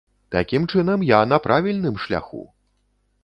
Такім чынам, я на правільным шляху!